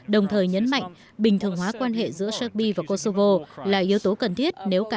đồng thời nhấn mạnh bình thường hóa quan hệ giữa serbia và kosovo là yếu tố cần thiết